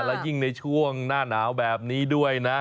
และยิ่งในช่วงหน้าหนาวแบบนี้ด้วยนะ